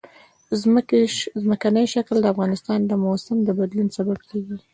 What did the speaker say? ځمکنی شکل د افغانستان د موسم د بدلون سبب کېږي.